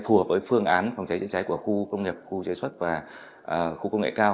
phù hợp với phương án phòng cháy chữa cháy của khu công nghiệp khu chế xuất và khu công nghệ cao